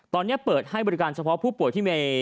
ตอนนี้เปิดให้บริการเฉพาะผู้ป่วยที่มี